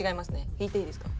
引いていいですか？